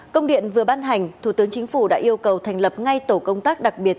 công điện vừa ban hành thủ tướng chính phủ đã yêu cầu thành lập ngay tổ công tác đặc biệt